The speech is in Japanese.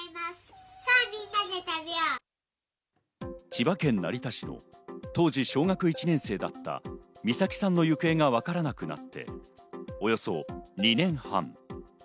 千葉県成田市の当時小学１年生だった美咲さんの行方がわからなくなって、およそ２年半。